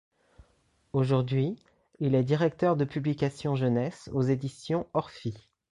Aujourd'hui, il est directeur de publications jeunesse aux Éditions Orphie.